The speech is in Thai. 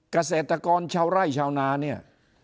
เกษตรกรชาวไร่ชาวนาเนี่ย